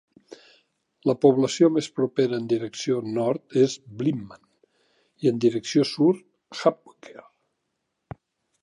La població més propera en direcció nord és Blinman i en direcció sud, Hawker